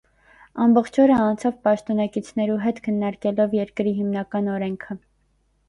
Ամբողջ օրը անցաւ պաշտօնակիցներու հետ քննարկելով երկրի հիմնական օրէնքը։